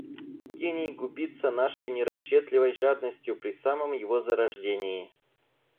Гений губится нашей нерасчетливой жадностью при самом его зарождении.